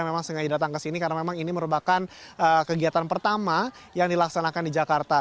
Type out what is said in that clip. memang sengaja datang ke sini karena memang ini merupakan kegiatan pertama yang dilaksanakan di jakarta